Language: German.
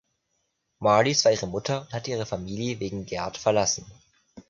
Marlies war ihre Mutter und hatte ihre Familie wegen Gerd verlassen.